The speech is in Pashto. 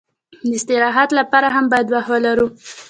د استراحت لپاره هم باید وخت ولرو.